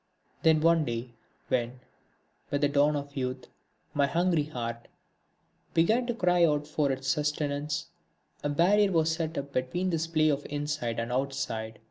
Then one day, when, with the dawn of youth, my hungry heart began to cry out for its sustenance, a barrier was set up between this play of inside and outside.